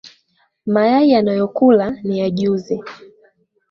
Mayai anayokula ni ya juzi